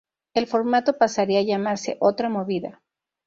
El formato pasaría a llamarse "Otra movida".